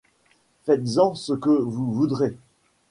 Faites-en ce que vous voudrez.